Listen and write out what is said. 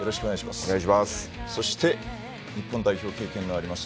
そして日本代表経験があります